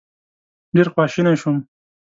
ډېر خواشینی شوم.